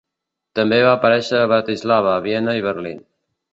També va aparèixer a Bratislava, Viena i Berlín.